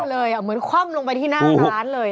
คว่ำเลยอ่ะเหมือนคว่ำลงไปที่หน้าร้านเลย